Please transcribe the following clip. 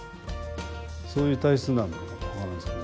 そういう体質なのかも分からんですけどね。